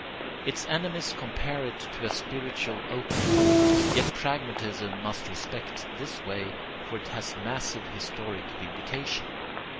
Its enemies compare it to a spiritual opium. Yet pragmatism must respect this way, for it has massive historic vindication.